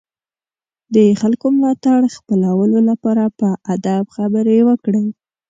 د خلکو ملاتړ خپلولو لپاره په ادب خبرې وکړئ.